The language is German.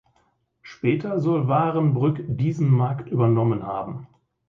Später soll Wahrenbrück diesen Markt übernommen haben.